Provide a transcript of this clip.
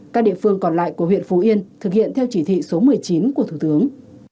các địa phương còn lại của huyện phú yên thực hiện theo chỉ thị số một mươi chín của thủ tướng